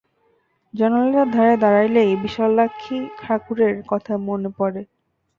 জানালার ধারে দাঁড়াইলেই বিশালাক্ষী ঠাকুরের কথা তাহার মনে ওঠে।